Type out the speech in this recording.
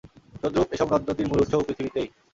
তদ্রুপ এসব নদ-নদীর মূল উৎসও পৃথিবীতেই।